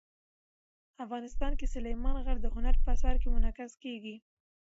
افغانستان کې سلیمان غر د هنر په اثار کې منعکس کېږي.